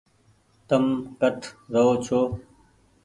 تم ڪٺ رهو ڇو ۔